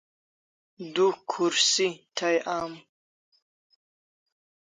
Du khursi thai am